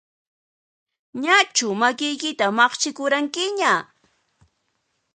Ñachu makiykita maqchikuranqiña?